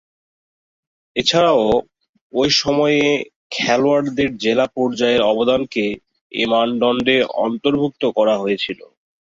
এছাড়াও ঐ সময়ে খেলোয়াড়দের জেলা পর্যায়ের অবদানকে এ মানদণ্ডে অন্তর্ভুক্ত করা হয়েছিল।